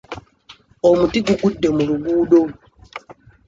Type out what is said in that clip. Omuti gugudde mu luguudo.